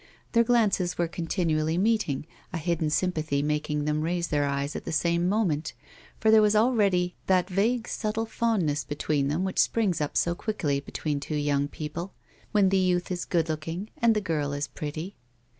Their glances were contiunally meeting, a hidden sympathy malving them raise their eyes at the same moment, for there was already tliat vague, subtle fondness between them which springs up so quickly between two young people when the youth is good looking and the girl is pretty.